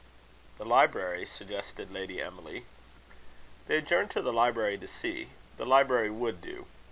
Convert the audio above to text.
"The library?" suggested Lady Emily. They adjourned to the library to see. The library would do.